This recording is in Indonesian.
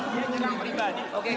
peluar suatu pekan alamatogyet